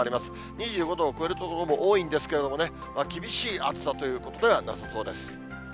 ２５度を超える所も多いんですけれどもね、厳しい暑さということではなさそうです。